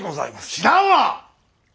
知らんわ！